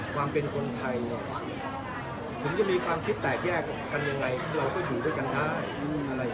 ความเป็นคนไทยถึงจะมีความคิดแตกแยกกันยังไงเราก็อยู่ด้วยกันได้